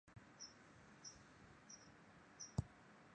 其中一位叫钟行廉曾在福建篮球队做了两年球会秘书。